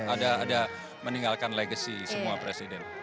ada ada meninggalkan legacy semua presiden